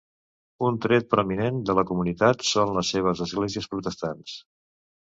Un tret prominent de la comunitat són les seves esglésies protestants.